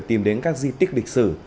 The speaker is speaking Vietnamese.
tìm đến các di tích lịch sử